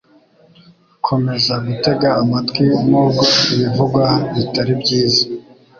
Komeza gutega amatwi nubwo ibivugwa bitari byiza